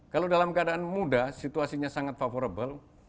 kalau dalam keadaan muda situasinya sangat favorable